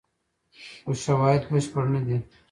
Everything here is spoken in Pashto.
خو شواهد بشپړ نه دي.